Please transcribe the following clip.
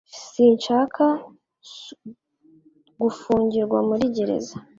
Sinshaka gufungirwa muri gereza